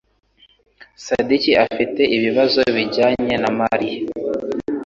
Sadiki afite ibibazo bijyanye na Mariya.